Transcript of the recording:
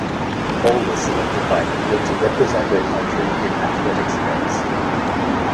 Hall was selected by England to represent her country in athletics events.